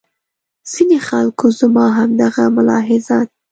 ځینې خلکو زما همدغه ملاحظات.